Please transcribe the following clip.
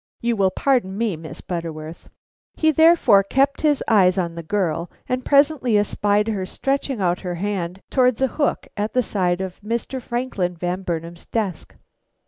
You will pardon me, Miss Butterworth. He therefore kept his eyes on the girl and presently espied her stretching out her hand towards a hook at the side of Mr. Franklin Van Burnam's desk.